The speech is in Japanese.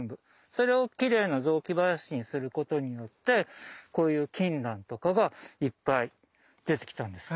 それをきれいな雑木林にすることによってこういうキンランとかがいっぱい出てきたんです。